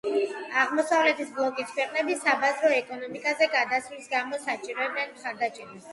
აღმოსავლეთის ბლოკის ქვეყნები საბაზრო ეკონომიკაზე გადასვლის გამო საჭიროებდნენ მხარდაჭერას.